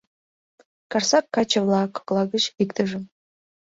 Карсак каче-влак кокла гыч иктыжым.